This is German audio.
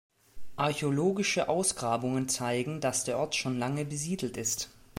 Archäologische Ausgrabungen zeigen, dass der Ort schon lange besiedelt ist.